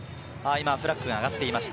今フラッグが上がっていました。